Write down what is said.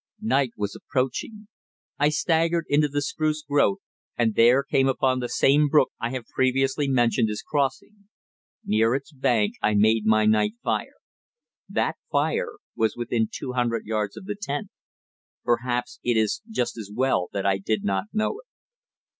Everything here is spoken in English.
Night was approaching. I staggered into the spruce growth, and there came upon the same brook I have previously mentioned as crossing. Near its bank I made my night fire. That fire was within two hundred yards of the tent. Perhaps it is just as well that I did not know it.